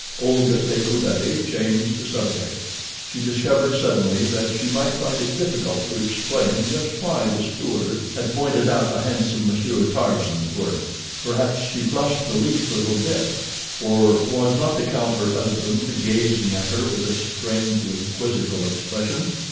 Olga de Coude changed the subject. She discovered suddenly that she might find it difficult to explain just why the steward had pointed out the handsome Monsieur Tarzan to her. Perhaps she flushed the least little bit, for was not the count, her husband, gazing at her with a strangely quizzical expression.